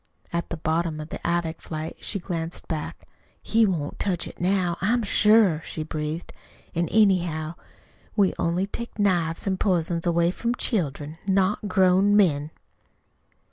At the bottom of the attic flight she glanced back. "He won't touch it now, I'm sure," she breathed. "An', anyhow, we only take knives an' pizen away from children not grown men!"